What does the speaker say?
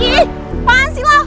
ihh pansi lah